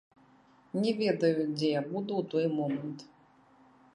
Не ведаю, дзе я буду ў той момант.